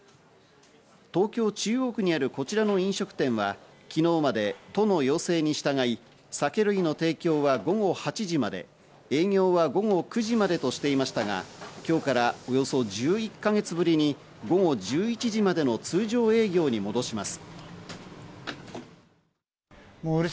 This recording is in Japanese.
東京・中央区にあるこちらの飲食店は昨日まで都の要請に従い、酒類の提供は午後８時まで、営業は午後９時までとしていましたが、今日からおよそ１１か月ぶりに午後１１時までの通常営業に戻します。